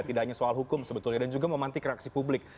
tidak hanya soal hukum sebetulnya dan juga memantik reaksi publik